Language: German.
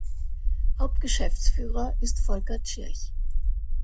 Hauptgeschäftsführer ist Volker Tschirch.